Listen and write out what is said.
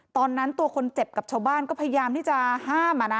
ตัวคนเจ็บกับชาวบ้านก็พยายามที่จะห้าม